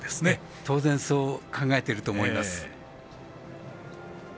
当然そう考えていると思います。